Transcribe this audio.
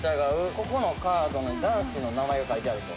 ここのカードに男子の名前が書いてあると。